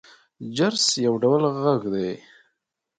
جرس يو ډول غږ کوي.